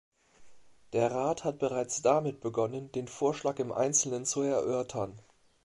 Der Rat hat bereits damit begonnen, den Vorschlag im Einzelnen zu erörtern.